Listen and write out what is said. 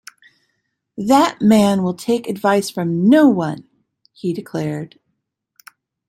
"That man will take advice from no one," he declared.